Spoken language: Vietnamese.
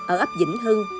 ở ấp vĩnh hưng